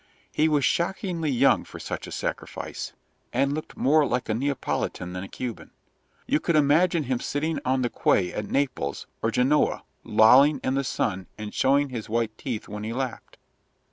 He was shockingly young for such a sacrifice, and looked more like a Neapolitan than a Cuban. You could imagine him sitting on the quay at Naples or Genoa lolling in the sun and showing his white teeth when he laughed.